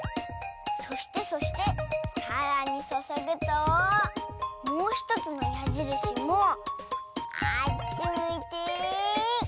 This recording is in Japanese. そしてそしてさらにそそぐともうひとつのやじるしもあっちむいてほい！